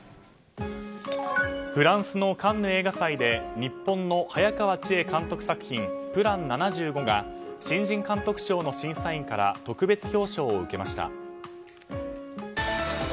フランスのカンヌ映画祭で日本の早川千絵監督の作品「ＰＬＡＮ７５」が新人監督賞の審査員から特別表彰を受けました。